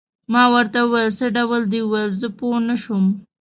ما ورته وویل: څه دې وویل؟ زه پوه نه شوم.